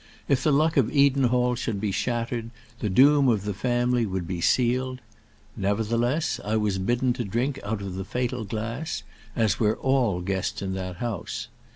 If the luck of Edenhall should be shattered, the doom of the family would be sealed. Nevertheless I was bidden to drink out of the fatal glass, as were all guests in that house.